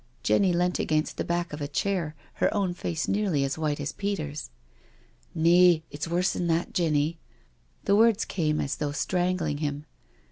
Jenny leant against the back of a chair, her own face nearly as white as Peter's. " Nay— it's wor'sn that, Jenny." The words came as though strangling him.